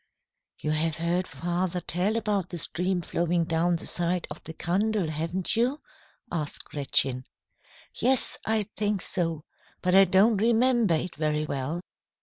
"You have heard father tell about the stream flowing down the side of the Kandel, haven't you?" asked Gretchen. "Yes, I think so. But I don't remember it very well.